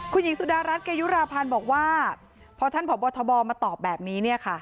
คุณหญิงสุดารัฐเกยุราพันธ์บอกว่าพอท่านพบทบมาตอบแบบนี้เนี่ยค่ะ